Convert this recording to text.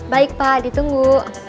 baik pak ditunggu